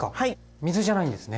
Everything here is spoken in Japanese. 水じゃないんですね？